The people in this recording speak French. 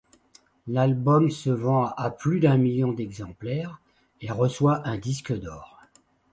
L'album se vend à plus d'un million d'exemplaires et reçoit un disque d'or.